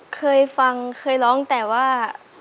เคยฟังเคยร้องแต่ว่า